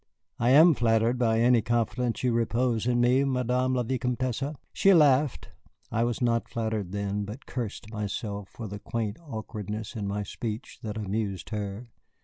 "I am flattered by any confidence you repose in me, Madame la Vicomtesse." She laughed. I was not flattered then, but cursed myself for the quaint awkwardness in my speech that amused her.